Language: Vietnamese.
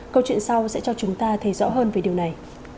câu chuyện sau sẽ cho chúng ta thấy rõ hơn về điều này